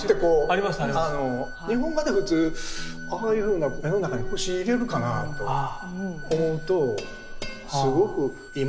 日本画で普通ああいうふうな目の中に星入れるかなと思うとすごく今な感じというのをね